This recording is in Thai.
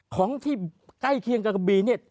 ของที่ใกล้เคียงกับกระบีเนี่ย